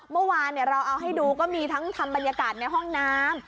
เมื่อวานเราเอาให้ดูก็มีทั้งทำบรรยากาศในห้องน้ำ